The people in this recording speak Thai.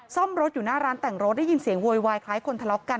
ซ่อมรถอยู่หน้าร้านแต่งรถได้ยินเสียงโวยวายคล้ายคนทะเลาะกัน